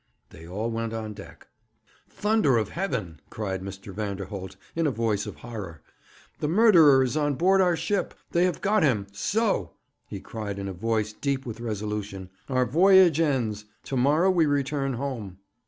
They all went on deck. 'Thunder of heaven!' cried Mr. Vanderholt, in a voice of horror. 'The murderer is on board our ship! They have got him. So,' he cried in a voice deep with resolution, 'our voyage ends. To morrow we return home.'